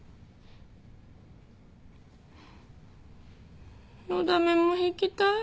だめも弾きたい。